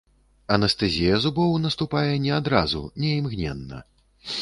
Анестэзія зубоў наступае не адразу, не імгненна.